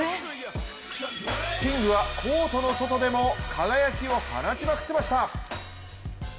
キングはコートの外でも輝きを放ちまくってました。